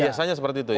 biasanya seperti itu ya